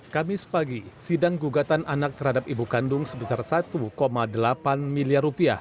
kamis pagi sidang gugatan anak terhadap ibu kandung sebesar rp satu delapan miliar